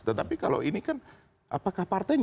tetapi kalau ini kan apakah partainya